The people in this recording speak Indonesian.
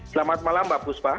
selamat malam mbak fuspa